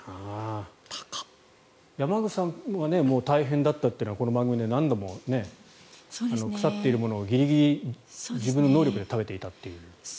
山口さんはもう大変だったというのはこの番組で何度も腐っているものをギリギリ自分の能力で食べていたという。